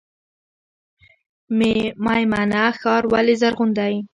میمنه ښار ولې زرغون دی؟